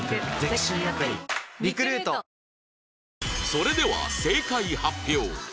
それでは正解発表